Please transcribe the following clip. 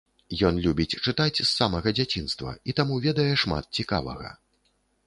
Ён любіць чытаць з самага дзяцінства і таму ведае шмат цікавага.